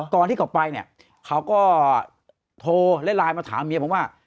ตอนที่เขาไปเนี่ยเขาก็โทรและไลน์มาถามเมียผมว่า